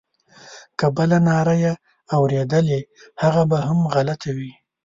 که بله ناره یې اورېدلې هغه به هم غلطه وي.